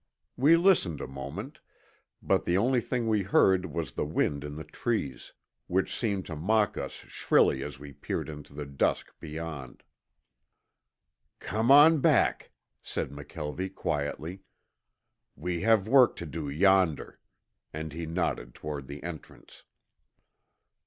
We listened a moment, but the only thing we heard was the wind in the trees, which seemed to mock us shrilly as we peered into the dusk beyond. "Come on back," said McKelvie quietly. "We have work to do yonder," and he nodded toward the entrance.